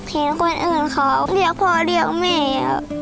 เห็นคนอื่นเขาเรียกพ่อเรียกแม่ครับ